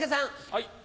はい。